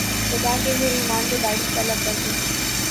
خدا کے لئے ایمان کو داڑھی سے الگ کر دو